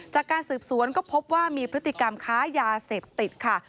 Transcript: จากการสืบสวนก็พบว่ามีพฤติกรรมค้ายาเสพติดค่ะ